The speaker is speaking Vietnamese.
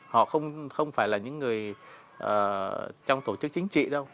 họ không phải là những người trong tổ chức chính trị đâu